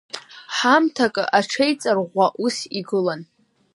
Ҳамҭакы аҽеиҵарӷәӷәа ус игылан.